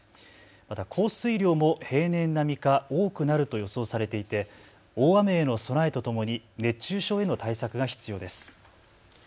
また降水量も平年並みか多くなると予想されていて大雨への備えとともに熱中症への対策が必要です。